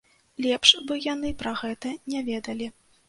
Лепш бы яны пра гэта не ведалі.